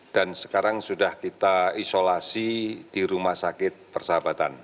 dan sekarang sudah kita isolasi di rumah sakit persahabatan